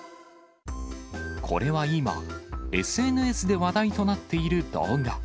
これは今、ＳＮＳで話題となっている動画。